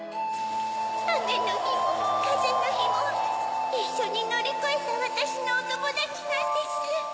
あめのひもかぜのひもいっしょにのりこえたわたしのおともだちなんです。